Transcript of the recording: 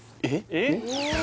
えっ！？